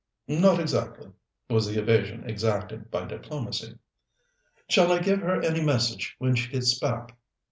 "Not exactly," was the evasion exacted by diplomacy. "Shall I give her any message when she gets back?"